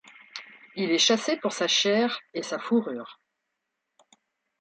Il est chassé pour sa chair et sa fourrure.